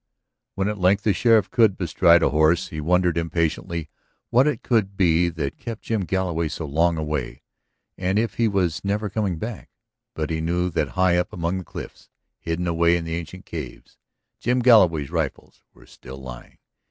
When at length the sheriff could bestride a horse he wondered impatiently what it could be that kept Jim Galloway so long away. And if he was never coming back. But he knew that high up among the cliffs, hidden away in the ancient caves, Jim Galloway's rifles were still lying.